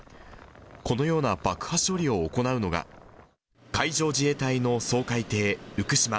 このような爆破処理を行うのが、海上自衛隊の掃海艇うくしま。